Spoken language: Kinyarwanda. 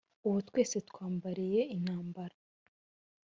Ubu twese twambariye intambara